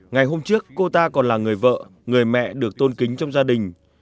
ngày hôm trước cô ta còn là người vợ người mẹ được tôn kính trong gia đình